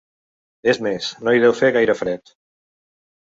És més, no hi deu fer gaire fred.